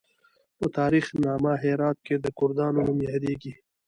په تاریخ نامه هرات کې د کردانو نوم یادیږي.